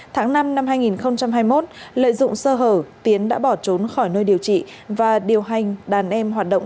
tháng năm năm hai nghìn hai mươi một lợi dụng sơ hở tiến đã bỏ trốn khỏi nơi điều trị và điều hành đàn em hoạt động